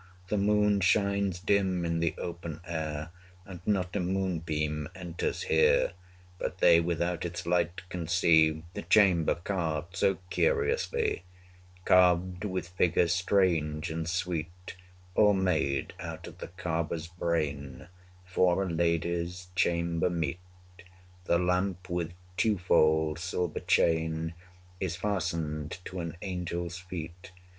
The moon shines dim in the open air, 175 And not a moonbeam enters here. But they without its light can see The chamber carved so curiously, Carved with figures strange and sweet, All made out of the carver's brain, 180 For a lady's chamber meet: The lamp with twofold silver chain Is fastened to an angel's feet.